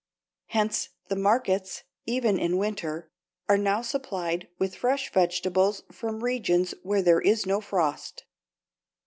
Hence the markets, even in winter, are now supplied with fresh vegetables from regions where there is no frost.